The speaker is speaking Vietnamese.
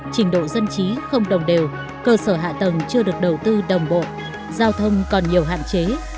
trình độ dân trí không đồng đều cơ sở hạ tầng chưa được đầu tư đồng bộ giao thông còn nhiều hạn chế